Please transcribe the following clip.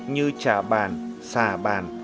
như trà bàn xà bàn